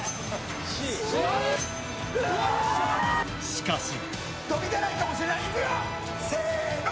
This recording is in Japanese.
しかし。